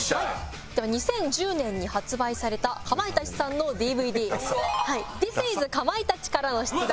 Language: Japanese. ２０１０年に発売されたかまいたちさんのＤＶＤ『Ｔｈｉｓｉｓかまいたち』からの出題です。